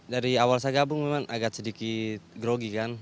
dari awal saya gabung memang agak sedikit grogi kan